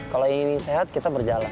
kalau ini sehat kita berjalan